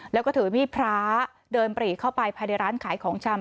แล้วก็ถือมีดพระเดินปรีเข้าไปภายในร้านขายของชำ